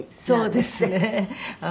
そうですね。